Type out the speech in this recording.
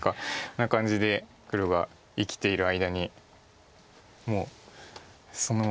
な感じで黒が生きている間にもうそのまま。